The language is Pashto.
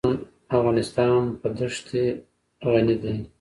افغانستان په ښتې غني دی.